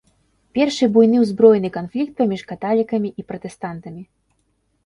Першы буйны ўзброены канфлікт паміж каталікамі і пратэстантамі.